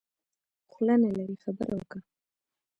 خوله نلرې خبره وکه.